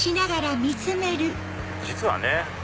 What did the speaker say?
実はね